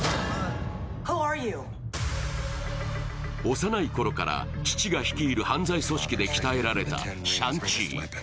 幼いころから父が率いる犯罪組織で鍛えられたシャン・チー。